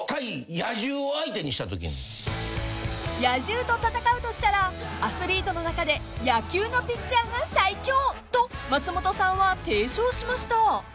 ［野獣と戦うとしたらアスリートの中で野球のピッチャーが最強と松本さんは提唱しました］